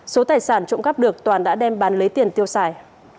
số tài sản trộm cắp được toàn đã đem bán lấy tiền tiêu xài